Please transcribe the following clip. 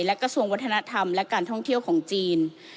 และกระทรวงวัฒนธรรมและการท่องเที่ยวของจีน